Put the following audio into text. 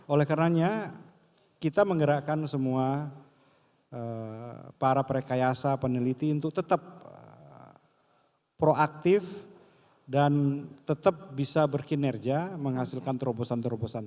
oleh karenanya kita menggerakkan semua para perkayasa peneliti untuk tetap proaktif dan tetap bisa berkinerja menghasilkan terobosan terobosan